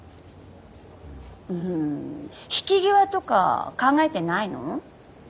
引き際とか考えてないの？